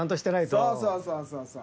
そうそうそうそうそう。